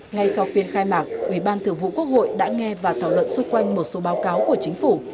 ngay sau phiên khai mạc ubthqh đã nghe và thảo luận xung quanh một số báo cáo của chính phủ